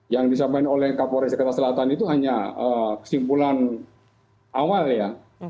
yang disampaikan oleh kapolres jakarta selatan itu hanya kesimpulan awal ya